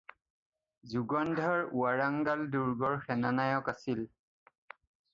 যুগন্ধৰ ৱাৰাংগাল দুৰ্গৰ সেনানায়ক আছিল।